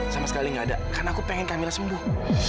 sama sekali tidak ada karena aku pengen kamila sembuh